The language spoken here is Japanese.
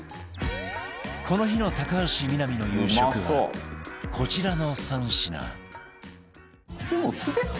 この日の高橋みなみの夕食はこちらの３品